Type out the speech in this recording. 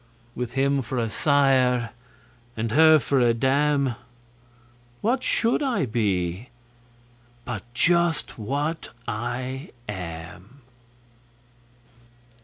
With him for a sire and her for a dam, What should I be but just what I am?